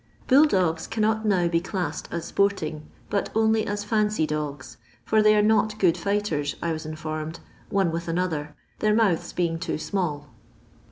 Bull dogs cannot now be classed as sporting, but only as fimcy dogs, for they are not good fighters, I was informed, one with another, their mouths beine too small.